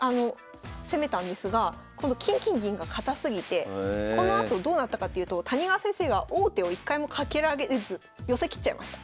攻めたんですがこの金金銀が堅すぎてこのあとどうなったかっていうと谷川先生が王手を一回もかけられず寄せ切っちゃいました。